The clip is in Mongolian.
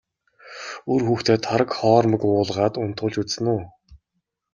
Үр хүүхдээ тараг хоормог уулгаад унтуулж үзсэн үү?